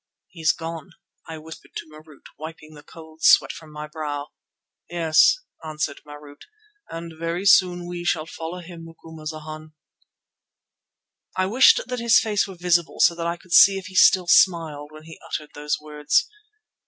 "He's gone," I whispered to Marût, wiping the cold sweat from my brow. "Yes," answered Marût, "and very soon we shall follow him, Macumazana." I wished that his face were visible so that I could see if he still smiled when he uttered those words.